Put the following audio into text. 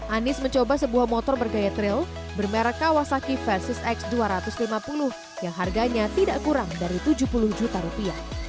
anies mencoba sebuah motor bergaya trail bermerek kawasaki versis x dua ratus lima puluh yang harganya tidak kurang dari tujuh puluh juta rupiah